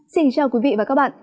xin chào quý vị và các bạn